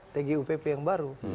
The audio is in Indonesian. tgupp yang baru